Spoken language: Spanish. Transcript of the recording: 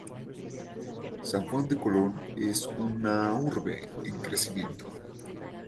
San Juan de Colón es una urbe en crecimiento.